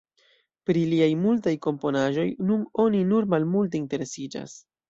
Pri liaj multaj komponaĵoj nun oni nur malmulte interesiĝas.